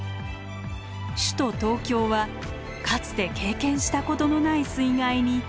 首都東京はかつて経験したことのない水害に見舞われるのです。